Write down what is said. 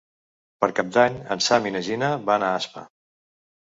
Per Cap d'Any en Sam i na Gina van a Aspa.